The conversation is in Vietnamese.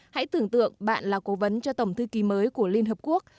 hãy tưởng tượng bạn là cố vấn cho tổng thư ký mới của liên hợp quốc